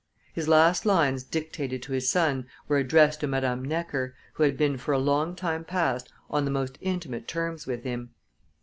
His last lines dictated to his son were addressed to Madame Necker, who had been for a long time past on the most intimate terms with him.